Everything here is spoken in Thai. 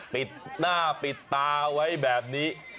ปิดหน้าปิดตาไว้แบบนี้